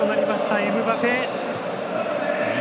エムバペ。